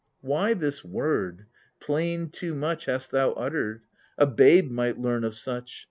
Why this word, plain too much, Hast thou uttered? A babe might leam of such